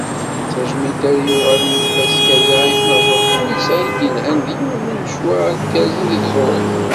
D tajmilt ara yuɣalen s tfaska-a i tnaẓurt Anissa i d-yelḥan yiwen n umecwar igerrzen di tẓuri.